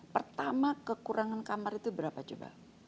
pertama kekurangan kamar itu berapa coba